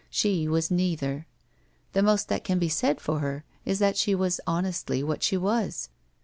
She was neither. The most that can be said for her is that she was honestly what she was.